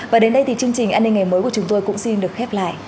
và đến đây thì chương trình an ninh ngày mới của chúng tôi cũng xin được khép lại